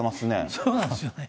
そうなんですよね。